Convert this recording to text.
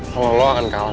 kalau lo akan kalah